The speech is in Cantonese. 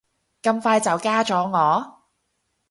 咁快就加咗我